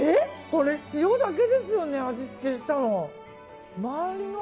これ塩だけですよね味付けしたの。